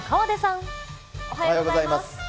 おはようございます。